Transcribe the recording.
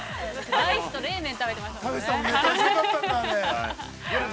◆アイスと冷麺食べていましたね。